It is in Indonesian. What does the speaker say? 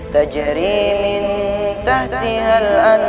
kalau dia mau